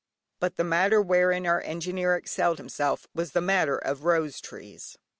But the matter wherein our Engineer excelled himself, was in the matter of rose trees.